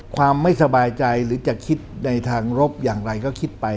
ความไม่สบายใจหรือจะคิดในทางรบอย่างไรก็คิดไป